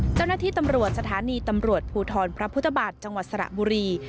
เจ้าหน้าที่ตำรวจสถานีตำรวจภูทรพระพุทธบาทจังหวัดสระบุรี